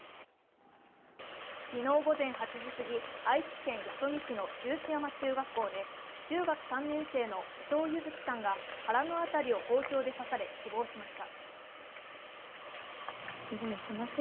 昨日午前８時すぎ、愛知県弥富市の十四山中学校で中学３年生の伊藤柚輝さんが腹の辺りを包丁で刺され死亡しました。